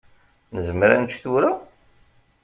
Nezmer ad nečč tura?